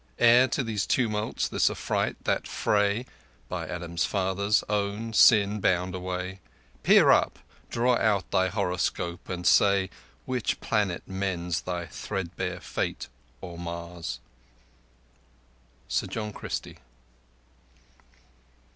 Heir to these tumults, this affright, that fraye (By Adam's, fathers', own, sin bound alway); Peer up, draw out thy horoscope and say Which planet mends thy threadbare fate or mars! Sir John Christie.